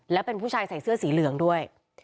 และเป็นผู้ชายใส่เสื้อสีเหลืองด้วย